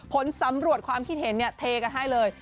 ผลสำรวจความคิดเห็นเนี่ยเทกันให้เลย